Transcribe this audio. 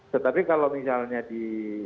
tetapi kalau misalnya di